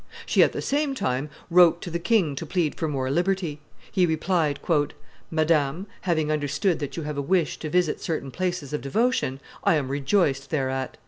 She at the same time wrote to the king to plead for more liberty. He replied, "Madame, having understood that you have a wish to visit certain places of devotion, I am rejoiced thereat.